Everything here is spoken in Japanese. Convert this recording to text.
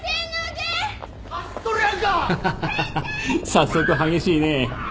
早速激しいね。